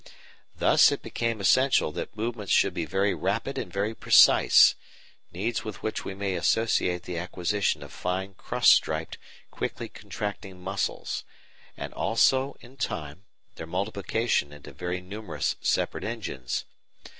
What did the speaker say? Thus it became essential that movements should be very rapid and very precise, needs with which we may associate the acquisition of fine cross striped, quickly contracting muscles, and also, in time, their multiplication into very numerous separate engines.